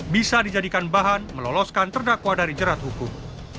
bisa dijadikan bahan meloloskan terdakwa dari jerat hukum